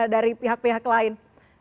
dari pihak pihak lain